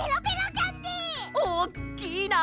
おっきいな！